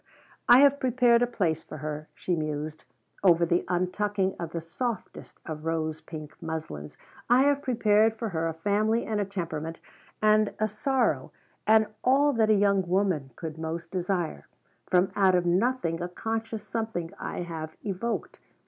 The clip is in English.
"I have prepared a place for her," she mused, over the untucking of the softest of rose pink muslins. "I have prepared for her a family and a temperament and a sorrow and all that a young woman could most desire. From out the nothing a conscious something I have evoked.